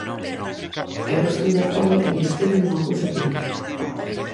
Eu estou de acordo con vostede nunha cousa que dixo.